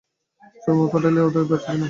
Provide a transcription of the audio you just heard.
সুরমাকে পাঠাইলে উদয় বাঁচিবে না।